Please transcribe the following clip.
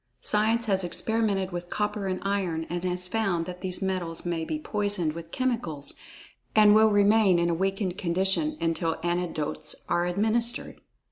Science has experimented with copper and iron, and has found that these metals may be poisoned with chemicals, and will remain in a weakened condition until antidotes are administered.